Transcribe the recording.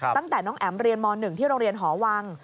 ตั้งแต่น้องแอ๋มเรียนม๑ที่โรงเรียนหอวัง